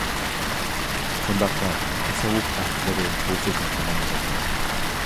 شۇنداق دەپ، تەسەۋۋۇپ ئەھلىلىرى بۇ سۆزنى تامام قىلدى.